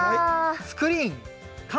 スクリーン完成！